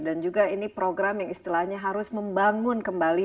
dan juga ini program yang istilahnya harus membangun kembali